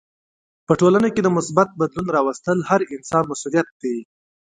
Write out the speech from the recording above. په ټولنه کې د مثبت بدلون راوستل هر انسان مسولیت دی.